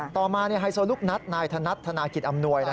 ต่อมาไฮโซลูกนัดนายธนัดธนากิจอำนวย